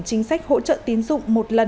chính sách hỗ trợ tín dụng một lần